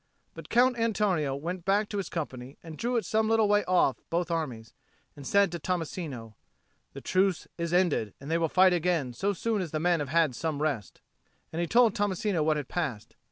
But Count Antonio went back to his company and drew it some little way off from both armies; and he said to Tommasino, "The truce is ended, and they will fight again so soon as the men have had some rest;" and he told Tommasino what had passed.